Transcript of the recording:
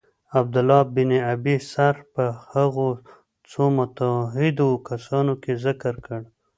عبدالله بن ابی سرح په هغو څو محدودو کسانو کي ذکر کړ.